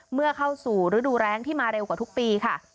เมื่อเข้าสู่ฤดูแรงที่มาเร็วกว่าทุกปีค่ะ